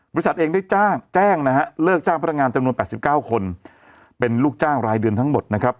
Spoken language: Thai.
บริษัทเองได้แจ้งเลิกจ้างพัตรงานจำนวน๘๙คนเป็นลูกจ้างรายเดือนทั้งหมด